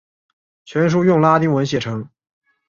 全书用拉丁文写成。